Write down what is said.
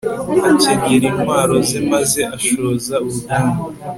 akenyera intwaro ze maze ashoza urugamba